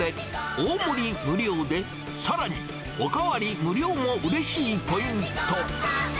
大盛り無料で、さらにお代わり無料もうれしいポイント。